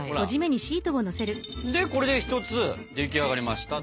でこれで１つ出来上がりましたと。